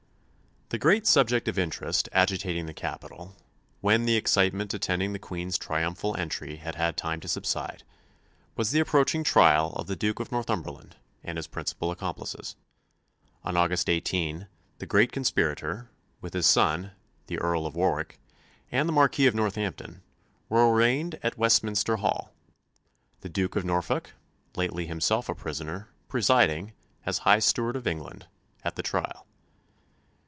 The great subject of interest agitating the capital, when the excitement attending the Queen's triumphal entry had had time to subside, was the approaching trial of the Duke of Northumberland and his principal accomplices. On August 18 the great conspirator, with his son, the Earl of Warwick, and the Marquis of Northampton, were arraigned at Westminster Hall, the Duke of Norfolk, lately himself a prisoner, presiding, as High Steward of England, at the trial.